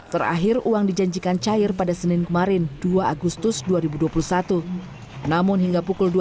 terakhir uang dijanjikan cair pada senin kemarin dua agustus dua ribu dua puluh satu namun hingga pukul dua puluh